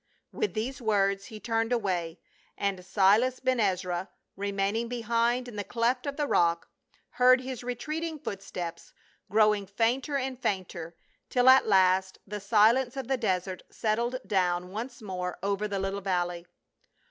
With these words he turned away, and Silas Ben Ezra, remaining behind in the cleft of the rock, heard his retreating footsteps growing fainter and fainter, till at last the silence of the desert settled down once more over the little valley.